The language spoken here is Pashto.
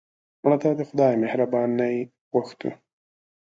مړه ته د خدای مهرباني غوښتو